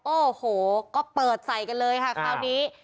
โอ้โหก็เปิดใส่กันเลยค่ะคราวนี้